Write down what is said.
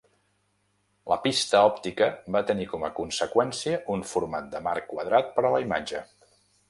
La pista òptica va tenir com a conseqüència un format de marc quadrat per a la imatge.